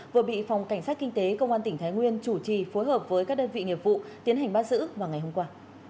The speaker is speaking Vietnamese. vừa bị phòng cảnh sát kinh tế công an tỉnh thái nguyên chủ trì phối hợp với các đơn vị nghiệp vụ tiến hành bắt giữ vào ngày hôm qua